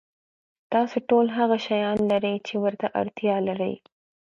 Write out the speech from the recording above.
تاسو ټول هغه شیان لرئ چې ورته اړتیا لرئ.